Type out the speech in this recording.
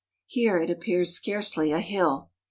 Here it appears scarcely a hill.